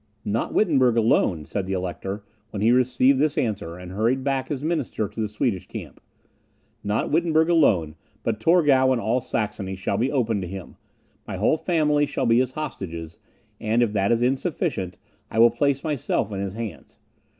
"Not Wittenberg alone," said the Elector, when he received this answer, and hurried back his minister to the Swedish camp, "not Wittenberg alone, but Torgau, and all Saxony, shall be open to him; my whole family shall be his hostages, and if that is insufficient, I will place myself in his hands.